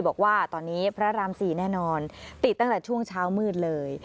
บอกว่าตอนนี้พระราม๔แน่นอนติดตั้งแต่ช่วงเช้ามืดเลย